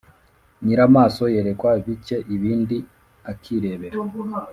Nyiramaso yerekwa bike ibindi akirebera